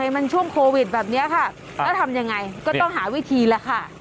มันช่วงโควิดแบบนี้ค่ะแล้วทำยังไงก็ต้องหาวิธีแหละค่ะ